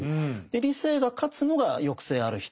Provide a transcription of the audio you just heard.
理性が勝つのが抑制ある人